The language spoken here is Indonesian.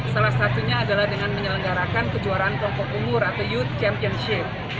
salah satunya adalah dengan menyelenggarakan kejuaraan kelompok umur atau youth championship